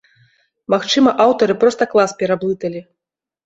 Магчыма, аўтары проста клас пераблыталі.